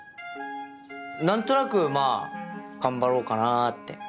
何となくまぁ頑張ろうかなって。